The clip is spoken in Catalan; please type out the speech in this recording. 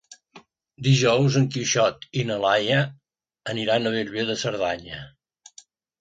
Dijous en Quixot i na Laia aniran a Bellver de Cerdanya.